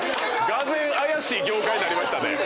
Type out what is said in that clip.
がぜん怪しい業界になりましたね。